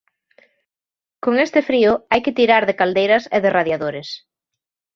Con este frío, hai que tirar de caldeiras e de radiadores.